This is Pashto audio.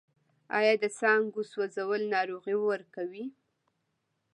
آیا د څانګو سوځول ناروغۍ ورکوي؟